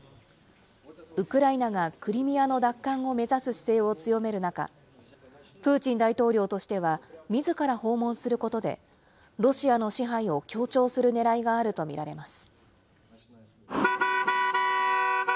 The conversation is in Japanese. ウクライナがクリミアの奪還を目指す姿勢を強める中、プーチン大統領としてはみずから訪問することで、ロシアの支配を強調するねらいがあると見られます。